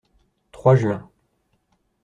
Trois juin.